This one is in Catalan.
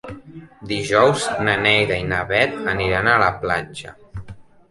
Dijous na Neida i na Bet aniran a la platja.